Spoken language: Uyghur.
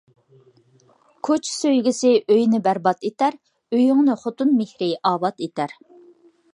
كوچا سۆيگۈسى ئۆينى بەرباد ئېتەر، ئۆيۈڭنى خوتۇن مېھرى ئاۋات ئېتەر